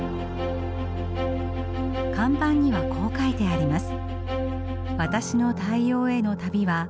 看板にはこう書いてあります。